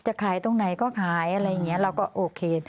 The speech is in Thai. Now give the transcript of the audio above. ขายตรงไหนก็ขายอะไรอย่างนี้เราก็โอเค